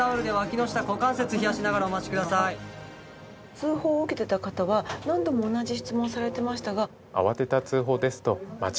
通報を受けていた方は何度も同じ質問されてましたが。